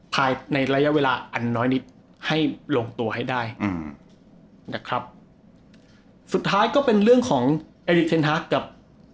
ภายในระยะเวลาอันน้อยนิดให้ลงตัวให้ได้อืมนะครับสุดท้ายก็เป็นเรื่องของเอลิเทนฮักกับ